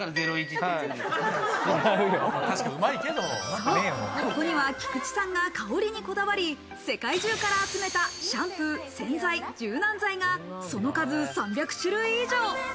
そう、ここには菊池さんが香りにこだわり、世界中から集めたシャンプー、洗剤、柔軟剤がその数３００種類以上。